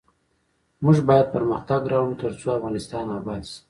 موږ باید پرمختګ راوړو ، ترڅو افغانستان اباد شي.